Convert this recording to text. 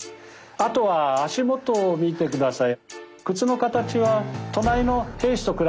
あとは足元を見て下さい。